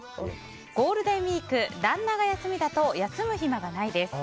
ゴールデンウィーク旦那が休みだと休む暇がないです。